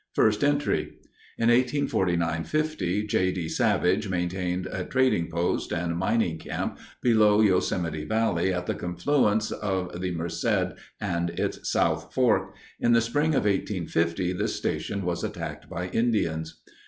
FIRST ENTRY In 1849 50 J. D. Savage maintained a trading post and mining camp below Yosemite Valley at the confluence of the Merced and its South Fork. In the spring of 1850 this station was attacked by Indians.